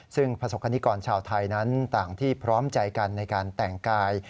ซึ่งประสบคณิกรชาวไทยนั้นต่างที่พร้อมใจกันในการแต่งกาย